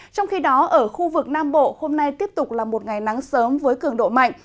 trong khi đó ở khu vực nam bộ hôm nay tiếp tục là một ngày nắng sớm với cường độ mạnh